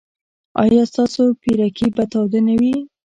ایا ستاسو پیرکي به تاوده نه وي؟